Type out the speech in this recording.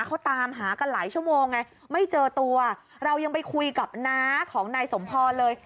เขาตามหากันหลายชั่วโมงไงไม่เจอตัวเรายังไปคุยกับน้าของนายสมพรเลย